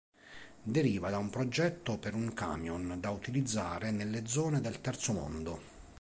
Deriva da un progetto per un camion da utilizzare nelle zone del terzo mondo.